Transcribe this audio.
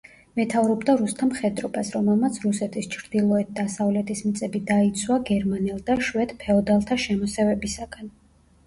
მეთაურობდა რუსთა მხედრობას, რომელმაც რუსეთის ჩრდილოეთ-დასავლეთის მიწები დაიცვა გერმანელ და შვედ ფეოდალთა შემოსევებისაგან.